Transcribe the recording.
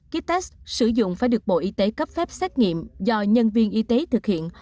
kites sử dụng phải được bộ y tế cấp phép xét nghiệm do nhân viên y tế thực hiện